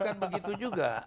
bukan begitu juga